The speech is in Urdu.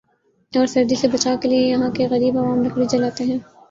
اور سردی سے بچائو کے لئے یہاں کے غریب عوام لکڑی جلاتے ہیں ۔